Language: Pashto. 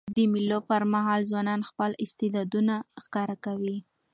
د مېلو پر مهال ځوانان خپل استعدادونه ښکاره کوي.